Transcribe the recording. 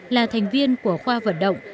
là thành viên của khoa vận động